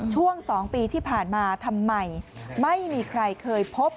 ช่วง๒ปีที่ผ่านมาทำไมไม่มีใครเคยพบ